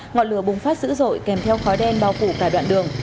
ngọn lửa bùng phát dữ dội kèm theo khói đen bao phủ cả đoạn đường